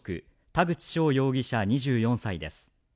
田口翔容疑者、２４歳です。